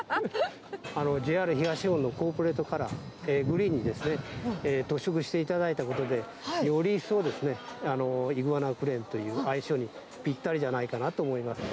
ＪＲ東日本のコーポレートカラー、グリーンにですね、塗色していただいたことで、より一層、イグアナクレーンという愛称にぴったりじゃないかなと思います。